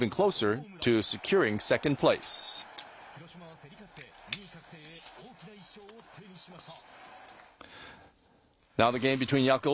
広島は競り勝って２位確定へ、大きな１勝を手にしました。